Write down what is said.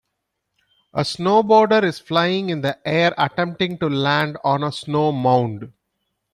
A snowboarder is flying in the air attempting to land on a snow mound.